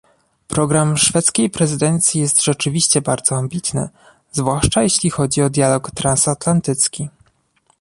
Program szwedzkiej prezydencji jest rzeczywiście bardzo ambitny, zwłaszcza jeśli chodzi o dialog transatlantycki